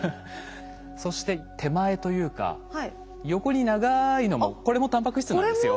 そして手前というか横に長いのもこれもタンパク質なんですよ。